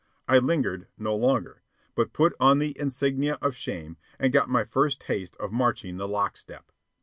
I lingered no longer, but put on the insignia of shame and got my first taste of marching the lock step.